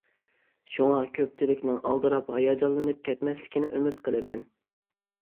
شۇڭا كۆپچىلىكنىڭ ئالدىراپ ھاياجانلىنىپ كەتمەسلىكىنى ئۈمىد قىلىمەن.